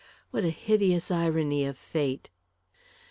What a hideous irony of fate!